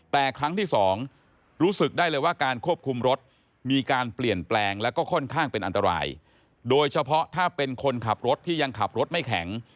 เพราะถ้าเป็นคนขับรถที่ยังขับรถไม่แข็ง